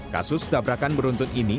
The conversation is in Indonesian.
kasus dabrakan beruntut ini